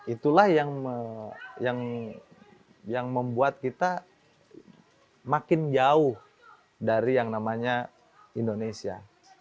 itulah yang membuat kita makin jauh dari yang namanya indonesia